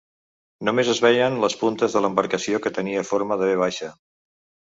Només es veien les puntes de l’embarcació, que tenia forma de ve baixa.